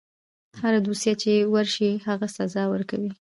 هره دوسیه چې ورشي هغه سزا ورکوي.